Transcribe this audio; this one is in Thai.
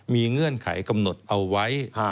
มีเงื่อนไขกำหนดเอาไว้